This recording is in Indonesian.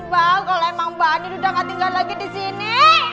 mbak andin bakal lemang mbak andin udah gak tinggal lagi di sini